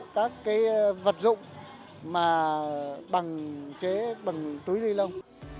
vật dụng mà bằng chế bằng túi ni lông